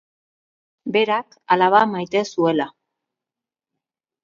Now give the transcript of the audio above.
Berak alaba maite zuela.